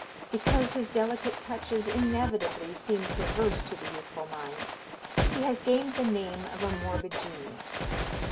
Because his delicate touches inevitably seem perverse to the youthful mind, he has gained the name of a morbid genius.